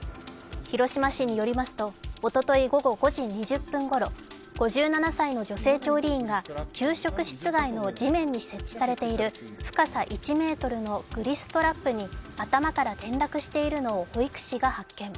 広島市によりますとおととい午後５時２０分ごろ、５７歳の女性調理員が給食室外の地面に設置されている深さ１ｍのグリストラップに頭から転落しているのを保育士が発見。